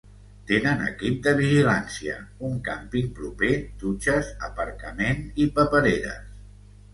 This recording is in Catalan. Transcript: Tenen equip de vigilància, un càmping proper, dutxes, aparcament i papereres.